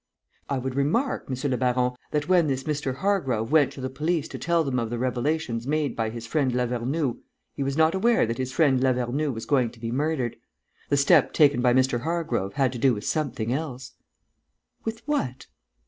"I would remark, monsieur le baron, that when this Mr. Hargrove went to the police to tell them of the revelations made by his friend Lavernoux, he was not aware that his friend Lavernoux was going to be murdered. The step taken by Mr Hargrove had to do with something else...." "With what?"